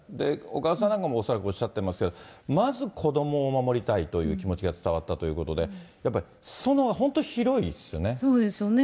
小川さんなんかも恐らくおっしゃってますけど、まず子どもを守りたいという気持ちが伝わったということで、すそ野は本当に広いでそうですよね。